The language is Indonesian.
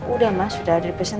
udah mas udah ada pesan